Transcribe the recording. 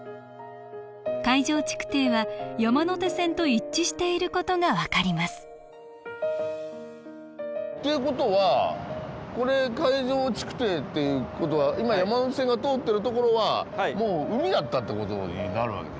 海上築堤は山手線と一致している事が分かりますという事はこれ海上築堤っていう事は今山手線が通ってる所はもう海だったって事になるわけですよね。